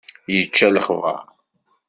Yečča lexber.